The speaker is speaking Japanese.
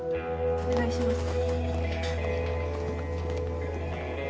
お願いします